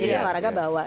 jadi olahraga bawa